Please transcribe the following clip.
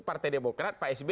partai demokrat pak sb